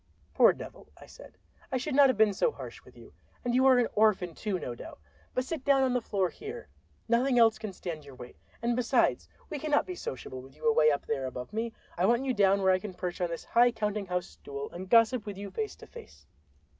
"Poor devil," I said, "I should not have been so harsh with you. And you are an orphan, too, no doubt. But sit down on the floor here—nothing else can stand your weight—and besides, we cannot be sociable with you away up there above me; I want you down where I can perch on this high counting house stool and gossip with you face to face."